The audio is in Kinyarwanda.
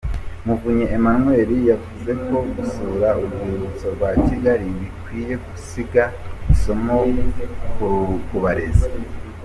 Muvunyi Emmanuel, yavuze ko gusura Urwibutso rwa Kigali bikwiye gusiga isomo ku barezi.